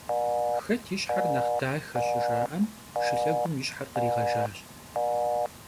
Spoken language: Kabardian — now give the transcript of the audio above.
«Xet yi şher nexh daxe?» şıjja'em, şşılhegum yi şher khriğejjaş.